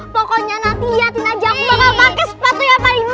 pokoknya nanti ya tina jakob bakal pakai sepatu yang paling mahal